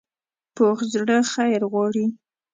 پوخ زړه خیر غواړي